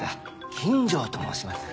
金城と申します。